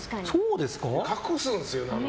隠すんですよ。